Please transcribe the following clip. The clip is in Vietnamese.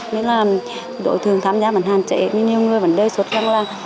nên là đội thường tham gia vẫn hàn chế nhưng nhiều người vẫn đề xuất rằng là